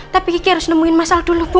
tapi gigi harus nemuin mas al dulu bu